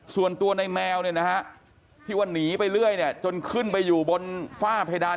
ส่วนตัวนายแมวที่ว่านิไปเรื่อยจนขึ้นไปอยู่บนฟ้าเพดาน